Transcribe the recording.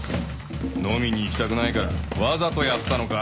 飲みに行きたくないからわざとやったのか？